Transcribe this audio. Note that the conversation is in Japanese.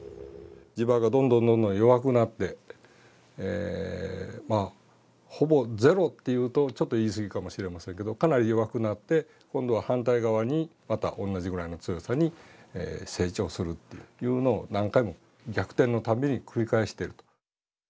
磁場がどんどんどんどん弱くなってまあ「ほぼゼロ」って言うとちょっと言い過ぎかもしれませんけどかなり弱くなって今度は反対側にまた同じぐらいの強さに成長するっていうのを何回も逆転のたびに繰り返してると。